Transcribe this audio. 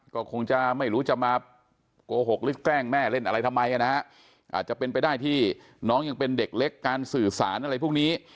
ก็คงจะไม่รู้จะมาโกหกหรือแกล้งแม่เล่นอะไรทำไมนะฮะอาจจะเป็นไปได้ที่น้องยังเป็นเด็กเล็กการสื่อสารอะไรพวกนี้